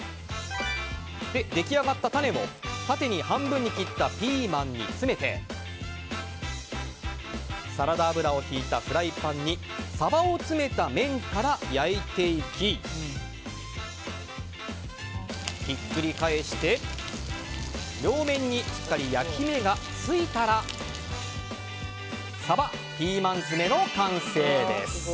出来上がったタネを縦に半分に切ったピーマンに詰めてサラダ油をひいたフライパンにサバを詰めた面から焼いていきひっくり返して両面にしっかり焼き目がついたらサバピーマン詰めの完成です。